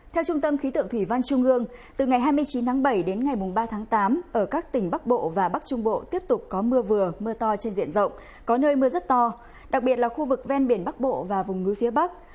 theo trung tâm khí tượng thủy văn trung ương từ ngày hai mươi chín tháng bảy đến ngày ba tháng tám ở các tỉnh bắc bộ và bắc trung bộ tiếp tục có mưa vừa mưa to trên diện rộng có nơi mưa rất to đặc biệt là khu vực ven biển bắc bộ và vùng núi phía bắc